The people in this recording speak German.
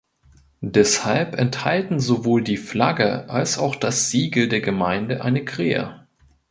Deshalb enthalten sowohl die Flagge als auch das Siegel der Gemeinde eine Krähe.